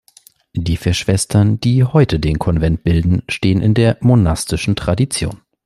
Die vier Schwestern, die heute den Konvent bilden, stehen in der monastischen Tradition.